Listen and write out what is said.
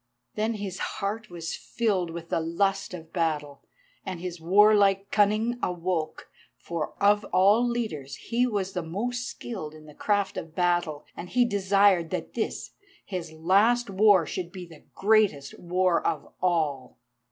Then his heart was filled with the lust of battle, and his warlike cunning awoke. For of all leaders he was the most skilled in the craft of battle, and he desired that this, his last war, should be the greatest war of all.